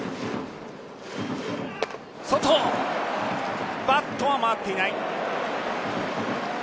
外、バットは回っていない。